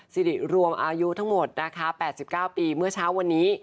สิริรวมอายุทั้งหมดนะคะ๘๙ปีเมื่อเช้าวันนี้